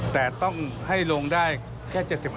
แต่ต้องให้ลงได้แค่๗๕